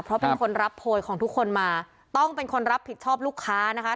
เพราะเป็นคนรับโพยของทุกคนมาต้องเป็นคนรับผิดชอบลูกค้านะคะ